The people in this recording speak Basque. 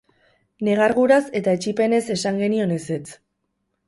Negarguraz eta etsipenez esan genion ezetz.